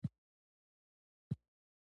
په دې وخت کې یو عسکر کارګر وواهه